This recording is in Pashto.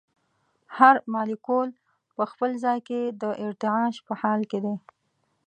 هر مالیکول په خپل ځای کې د ارتعاش په حال کې دی.